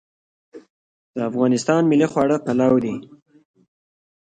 د افغانستان ملي خواړه پلاو دی